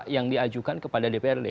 yang diajukan kepada dprd